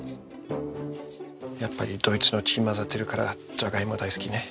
やっぱりドイツの血混ざってるからジャガイモ大好きね。